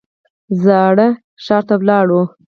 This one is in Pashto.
زاړه ښار ته لاړو.